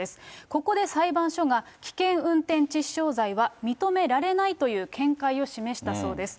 ここで裁判所が危険運転致死傷罪は認められないという見解を示したそうです。